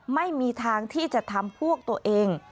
ไม่มีทางที่จะทำพวกตัวเอง